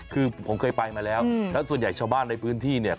คือผมเคยไปมาแล้วแล้วส่วนใหญ่ชาวบ้านในพื้นที่เนี่ย